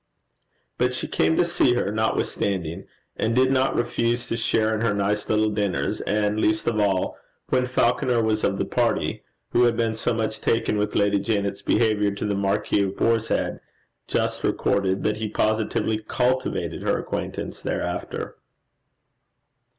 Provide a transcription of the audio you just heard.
But she came to see her, notwithstanding, and did not refuse to share in her nice little dinners, and least of all, when Falconer was of the party, who had been so much taken with Lady Janet's behaviour to the Marquis of Boarshead, just recorded, that he positively cultivated her acquaintance thereafter.